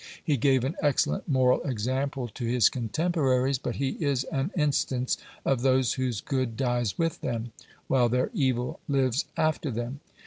He gave an excellent moral example to his contemporaries, but he is an instance of those whose good dies with them, while their evil lives after them.